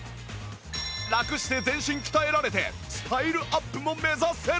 ラクして全身鍛えられてスタイルアップも目指せる！